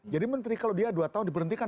menteri kalau dia dua tahun diberhentikan